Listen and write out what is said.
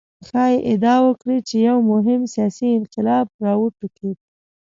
ښايي ادعا وکړو چې یو مهم سیاسي انقلاب راوټوکېد.